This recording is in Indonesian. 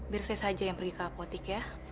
bersih saja yang pergi ke apotik ya